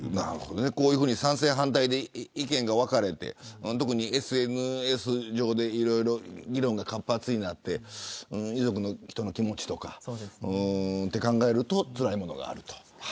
賛成反対で意見が分かれて特にＳＮＳ上でいろいろ議論が活発になって遺族の人の気持ちとかを考えるとつらいものがある。